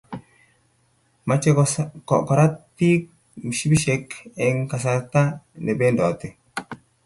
mache korat piik mshipishek eng kasarta ne pendoti